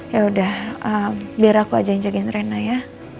yaudah biar aku ajakin jagain rena ya